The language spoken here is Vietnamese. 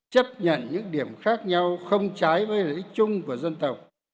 chấp nhận những điểm khác nhau không trái với lợi ích chung của dân tộc